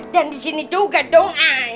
jangan disini juga dong